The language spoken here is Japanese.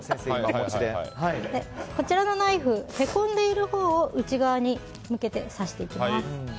こちらのナイフへこんでいるほうを内側に向けて刺していきます。